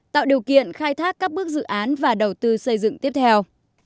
tạo điều kiện khai thác các bước dự án và đầu tư xây dựng tiếp theo